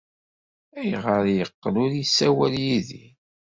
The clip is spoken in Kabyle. Ayɣer ay yeqqel ur yessawal yid-i?